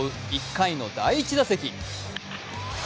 １回の第１打席。